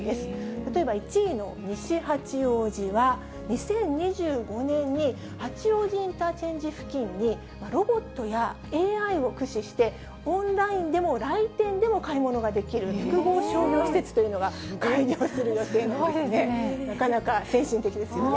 例えば、１位の西八王子は、２０２５年に八王子インターチェンジ付近に、ロボットやＡＩを駆使して、オンラインでも来店でも買い物ができる複合商業施設というのが、開業する予定なんですね。